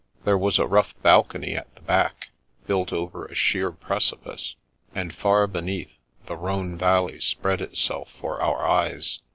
There was a rough balcony at the back, built over a sheer precipice, and far beneath, the Rhone Valley spread itself for our eyes.